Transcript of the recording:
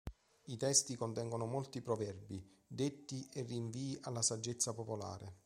I testi contengono molti proverbi, detti e rinvii alla saggezza popolare.